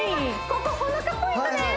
ここほのかポイントです！